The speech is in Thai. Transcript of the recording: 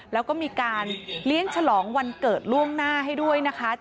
แล้วก็มีการเลี้ยงฉลองวันเกิดล่วงหน้าให้ด้วยนะคะ